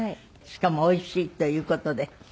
しかもおいしいという事で。